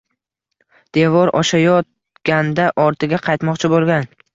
Devor oshayot-ganda ortiga qaytmoqchi bo‘lgan